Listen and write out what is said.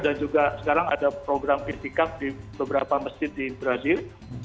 dan juga sekarang ada program pirtikaf di beberapa masjid di brazil